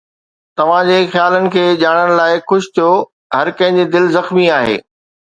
توهان جي خيالن کي ڄاڻڻ لاء خوش ٿيو. هر ڪنهن جي دل زخمي آهي